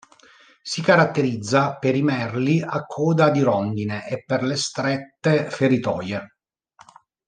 Si caratterizza per i merli a coda di rondine e per le strette feritoie.